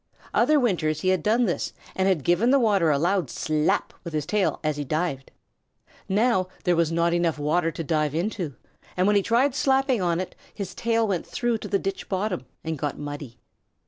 Other winters he had done this and had given the water a loud slap with his tail as he dived. Now there was not enough water to dive into, and when he tried slapping on it his tail went through to the ditch bottom and got muddy.